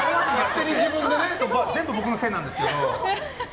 全部僕のせいなんですけど。